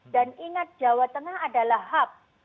dan ingat jawa tengah adalah hub